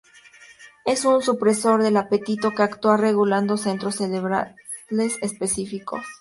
Es un supresor del apetito que actúa regulando centros cerebrales específicos.